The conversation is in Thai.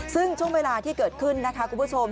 ซึ่งช่วงเวลาที่เกิดขึ้นนะคะคุณผู้ชม